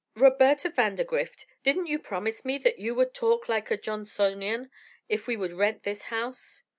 "Roberta Vandergrift, didn't you promise me that you would talk like a Johnsonian if we would rent this house?"